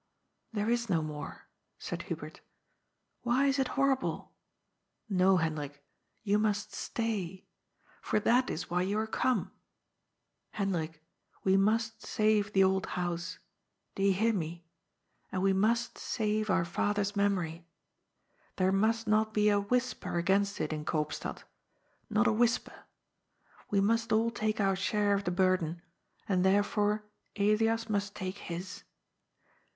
There is no more," said Hubert. " Why is it horrible ? No, Hendrik, you must stay. For that is why you are come. Hendrik, we must save the old hoase. Do you hear me? And we must save our father's memory. There must not be a whisper against it in Koopstad, not a whis per. We must all take our share of the burden, and there fore Elias must take his.